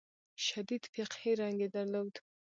شدید فقهي رنګ یې درلود.